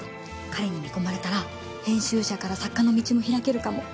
彼に見込まれたら編集者から作家の道も開けるかも。